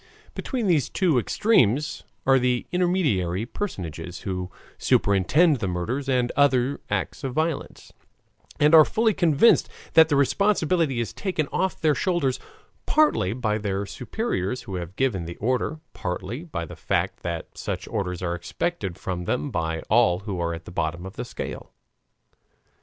Between these two extremes are the intermediary personages who superintend the murders and other acts of violence, and are fully convinced that the responsibility is taken off their shoulders partly by their superiors who have given the order, partly by the fact that such orders are expected from them by all who are at the bottom of the scale.